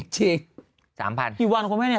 เจ๊ซิง